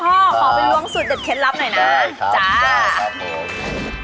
ขอไปล้วงสูตรเด็ดเคล็ดลับหน่อยนะจ้า